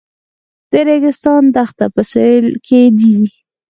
د ریګستان دښته په سویل کې ده